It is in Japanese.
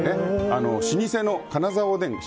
老舗の金澤おでん